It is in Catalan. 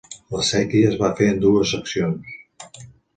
La séquia es va fer en dues seccions.